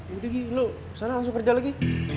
yaudah lu sana langsung kerja lagi